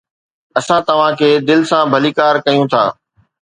اسان توهان کي دل سان ڀليڪار ڪيون ٿا.